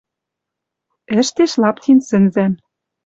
Ӹштеш Лаптин сӹнзӓм